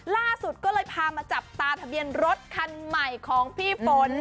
ล่าสุดก็เลยพามาจับตาทะเบียนรถคันใหม่ของพี่ฝน